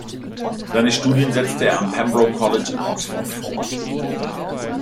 Seine Studien setzte er am Pembroke College in Oxford fort.